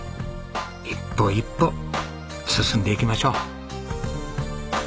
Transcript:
一歩一歩進んでいきましょう。